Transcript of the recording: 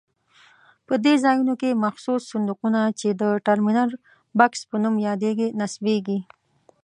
په دې ځایونو کې مخصوص صندوقونه چې د ټرمینل بکس په نوم یادېږي نصبېږي.